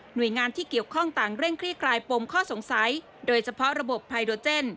โดยงานที่เกี่ยวข้องต่างเร่งคลี่คลายปมข้อสงสัยโดยเฉพาะระบบไพโดเจน